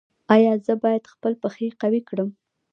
ایا زه باید خپل پښې قوي کړم؟